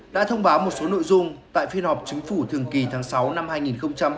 đã thông báo một số nội dung tại phiên họp chính phủ thường kỳ tháng sáu năm hai nghìn hai mươi